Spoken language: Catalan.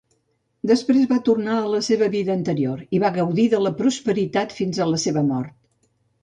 Després va tornar a la seva vida anterior i va gaudir de la prosperitat fins a la seva mort.